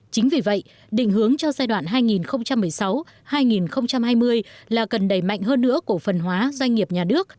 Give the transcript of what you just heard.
chính vì vậy định hướng cho giai đoạn hai nghìn một mươi sáu hai nghìn hai mươi là cần đẩy mạnh hơn nữa cổ phần hóa doanh nghiệp nhà nước